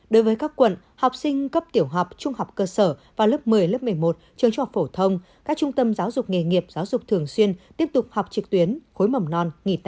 đối với các quận học sinh cấp tiểu học trung học cơ sở vào lớp một mươi lớp một mươi một trường trung học phổ thông các trung tâm giáo dục nghề nghiệp giáo dục thường xuyên tiếp tục học trực tuyến khối mầm non nghỉ tám